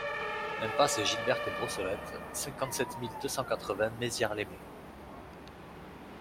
Impasse Gilberte Brossolette, cinquante-sept mille deux cent quatre-vingts Maizières-lès-Metz